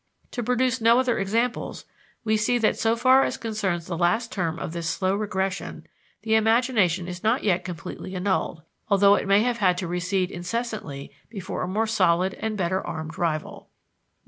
To produce no other examples, we see that so far as concerns the last term of this slow regression, the imagination is not yet completely annulled, although it may have had to recede incessantly before a more solid and better armed rival.